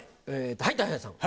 はいたい平さん。